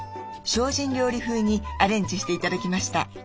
精進料理風にアレンジして頂きました。